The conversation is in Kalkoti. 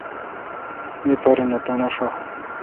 می پارن تݨے ° ݭہ